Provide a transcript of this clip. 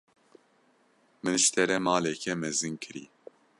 Min ji te re maleke mezin kirî.